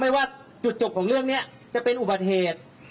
ไม่ว่าจุดจบของเรื่องนี้จะเป็นอุบัติเหตุ